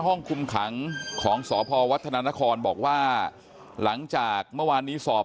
ห้องคุมขังของสพวัฒนานครบอกว่าหลังจากเมื่อวานนี้สอบ